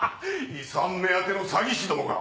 遺産目当ての詐欺師どもが！